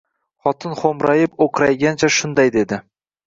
Xotin xo`mrayib-o`qraygancha shunday dedi